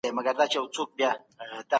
نور په کومه موضوع درته جملې جوړې کړم؟